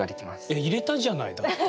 いや入れたじゃないだって。